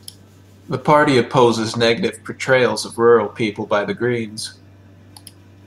The party opposes negative portrayals of rural people by the Greens.